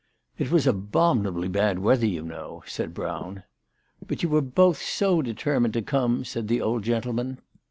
" It was abominably bad weather you know," said Brown. " But you were both so determined to come," said the old gentleman.